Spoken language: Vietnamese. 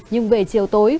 nhưng về chiều tối